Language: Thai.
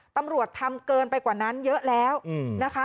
ตำรวจทำเกินไปกว่านั้นเยอะแล้วนะคะ